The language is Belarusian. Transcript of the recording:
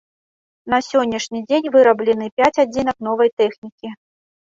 На сённяшні дзень выраблены пяць адзінак новай тэхнікі.